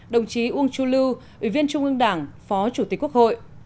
đồng chí uông chu lưu ủy viên trung ương đảng phó chủ tịch quốc hội